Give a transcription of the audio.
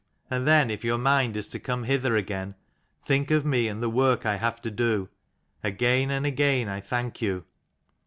And then, if your mind is to come hither again, think of me and the work I have to do. Again and again I thank you.